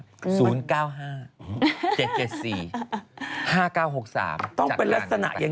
ต้องเป็นลักษณะยังไงนะต้องเป็นลักษณะเลยนะ